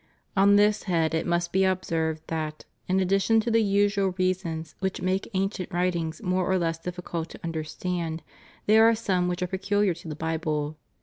On this head it must be observed that, in addition to the usual reasons which make ancient writings more or less difficult to understand, there are some which are peculiar to the Bible.